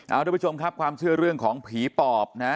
เอาทุกผู้ชมครับความเชื่อเรื่องของผีปอบนะฮะ